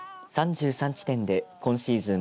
３３地点で今シーズン